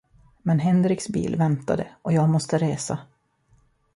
Men Henriks bil väntade och jag måste resa.